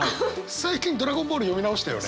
最近「ドラゴンボール」読み直したよね？